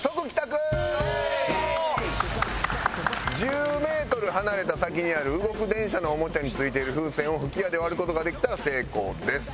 １０メートル離れた先にある動く電車のおもちゃに付いている風船を吹き矢で割る事ができたら成功です。